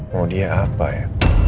mau dia apa ya